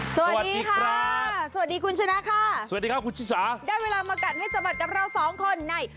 สวัสดีค่ะสวัสดีคุณชนะค่ะสวัสดีครับคุณชิสาได้เวลามากัดให้สะบัดกับเราสองคนใน